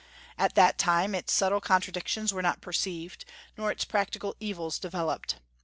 At that time its subtile contradictions were not perceived, nor its practical evils developed.